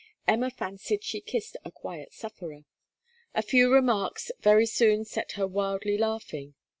Emma fancied she kissed a quiet sufferer. A few remarks very soon set her wildly laughing.